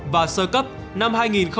và sơ cấp năm hai nghìn hai mươi ba